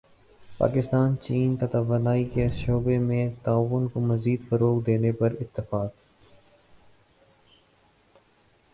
پاکستان چین کا توانائی کے شعبے میں تعاون کو مزید فروغ دینے پر اتفاق